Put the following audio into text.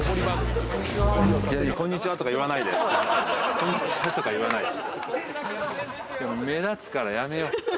「こんにちは」とか言わないで。